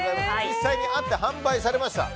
実際にあって販売されました。